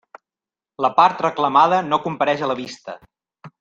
La part reclamada no compareix a la vista.